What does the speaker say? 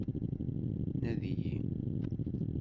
Nadi-yi.